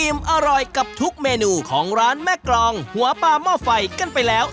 อร่อยกับทุกเมนูของร้านแม่กรองหัวปลาหม้อไฟกันไปแล้ว